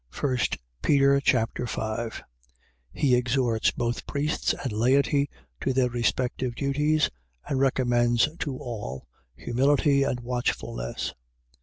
1 Peter Chapter 5 He exhorts both priests and laity to their respective duties and recommends to all humility and watchfulness.